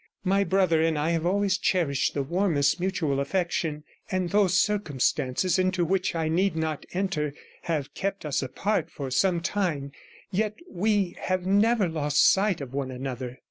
My brother 38 and I have always cherished the warmest mutual affection; and though circumstances into which I need not enter have I kept us apart for some time, yet we have never lost I sight of one another.